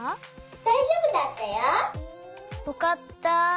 だいじょうぶだったよ。よかった！